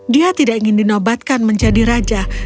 dia tidak ingin dinobatkan menjadi raja